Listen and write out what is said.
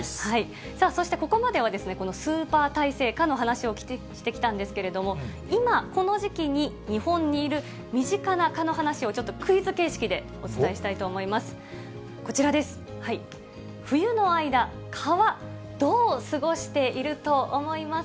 そしてここまでは、このスーパー耐性蚊の話をしてきたんですけれども、今、この時期に日本にいる身近な蚊の話をちょっとクイズ形式でお伝えしたいと思います。